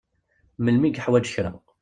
Melmi i yuḥwaǧ kra.